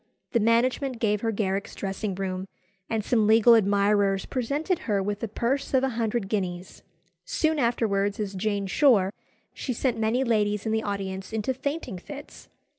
The management gave her Garrick's dressing room, and some legal admirers presented her with a purse of a hundred guineas. Soon afterwards, as Jane Shore, she sent many ladies in the audience into fainting fits.